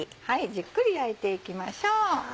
じっくり焼いていきましょう。